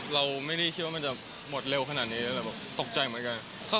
เราไม่ได้คิดว่ามันจะหมดเร็วขนาดนี้ตกใจหมดกัน